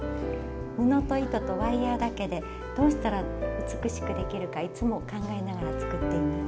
布と糸とワイヤーだけでどうしたら美しくできるかいつも考えながら作っています。